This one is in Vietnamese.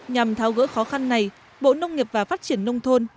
nhằm tháo gỡ khó khăn này bộ nông nghiệp và phát triển nông thôn